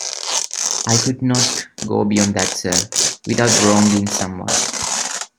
I could not go beyond that, sir, without wronging some one.